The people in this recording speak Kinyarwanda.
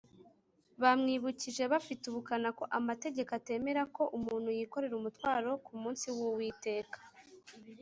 . Bamwibukije bafite ubukana ko amategeko atemera ko umuntu yikorera umutwaro ku munsi w’Uwiteka